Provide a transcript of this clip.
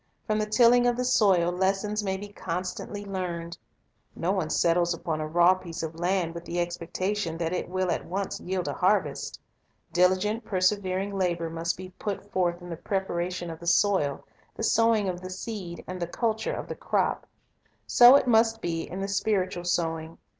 From the tilling of the soil, lessons may constantly be learned. No one settles upon a raw piece of land with the expectation that it will at once yield a harvest. Diligent, persevering labor must be put forth in the preparation of the soil, the sowing of the seed, and the culture of the crop. So it must be in the spiritual sowing.